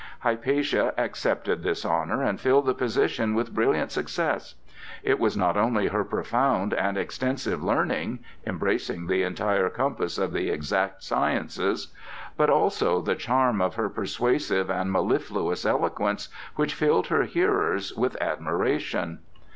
Hypatia accepted this honor and filled the position with brilliant success. It was not only her profound and extensive learning, embracing the entire compass of the exact sciences, but also the charm of her persuasive and mellifluous eloquence which filled her hearers with admiration.